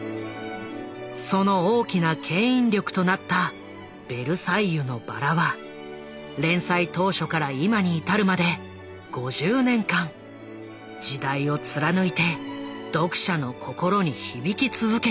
その大きな牽引力となった「ベルサイユのばら」は連載当初から今に至るまで５０年間時代を貫いて読者の心に響き続けている。